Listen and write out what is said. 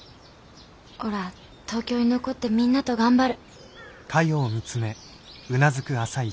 おら東京に残ってみんなと頑張る。